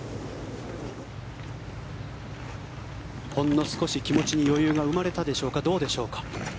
ほんの少し気持ちに余裕が生まれたでしょうかどうでしょうか。